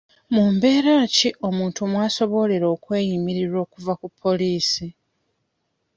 Mu mbeera ki omuntu mwasobolera okweyimirirwa okuva ku Poliisi?